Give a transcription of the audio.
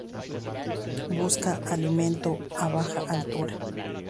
Busca alimento a baja altura.